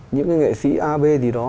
những cái nghệ sĩ ab gì đó